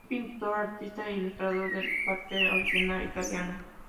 Fue pintor, artista e ilustrador de cartel original italiano.